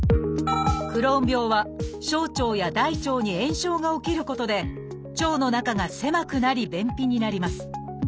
「クローン病」は小腸や大腸に炎症が起きることで腸の中が狭くなり便秘になります。